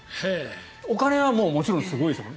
お金はもちろんすごいですよ